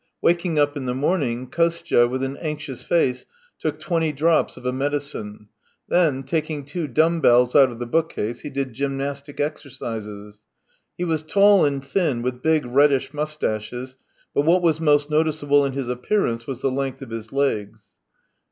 Waking up in the morning, Kostya, with an anxious face, took twenty drops of a medicine; then, taking two dumb bells out of the bookcase, he did gymnastic exercises. He was tall and thin, with big reddish moustaches; but what was most noticeable in his appearance was the length of his legs.